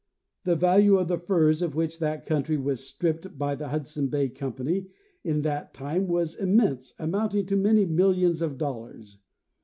The value of the furs of which that country was stripped by the Hudson Bay companyj{in that time was immense, amounting to many mil lions of doJlars.